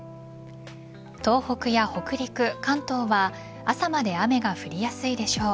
東北や北陸、関東は朝まで雨が降りやすいでしょう。